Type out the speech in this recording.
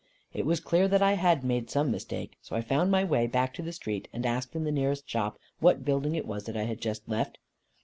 It was clear that I had made some mistake, so I found my way back to the street, and asked in the nearest shop what building it was that I had just left.